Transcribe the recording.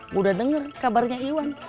sudah dengar kabarnya iwan